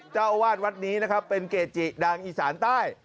เจ้าอาวาสวัดนี้นะครับเป็นเกจิดังอีสานใต้